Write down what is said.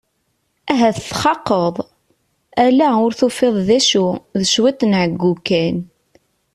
Ahat txaqeḍ? Ala ur tufiḍ d acu, d cwiṭ n ɛeyyu kan.